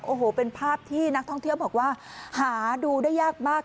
โอ้โหเป็นภาพที่นักท่องเที่ยวบอกว่าหาดูได้ยากมาก